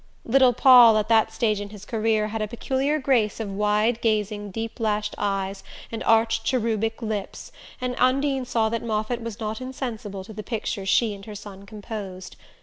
Little Paul, at that stage in his career, had a peculiar grace of wide gazing deep lashed eyes and arched cherubic lips, and Undine saw that Moffatt was not insensible to the picture she and her son composed.